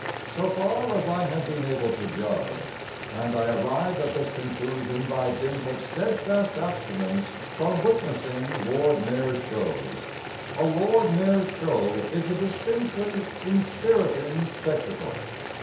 So far as I have been able to judge (And I arrive at this conclusion by dint of steadfast abstinence From witnessing Lord Mayors' Shows) A Lord Mayor's Show is a distinctly inspiriting spectacle.